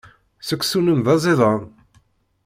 Seksu-nnem d aẓidan.